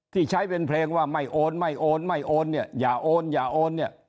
ที่ใช้เป็นเพลงว่าไม่โอนไม่โอนไม่โอนอย่าโอนอย่าโอน